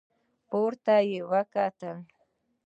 پورته يې وکتل.